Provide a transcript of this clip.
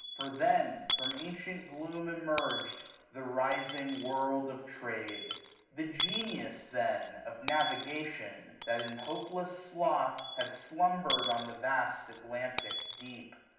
For then, from ancient gloom emerged 1 005 The rising world of trade : the Genius, then. Of navigation, that, in hopeless sloth. Had slumber'd on the vast Atlantic deep.